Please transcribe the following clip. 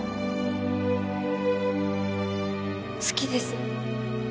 好きです。